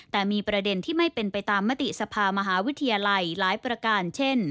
แต่มีประเด็นที่ไม่เป็นไปตามมติสภามหาวิทยาลัยหลายประการเช่น